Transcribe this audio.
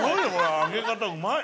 揚げ方うまい。